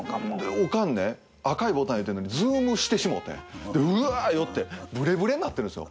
オカンね赤いボタン言うてるのにズームしてしもうてでうわぁ寄ってブレブレになってるんですよ。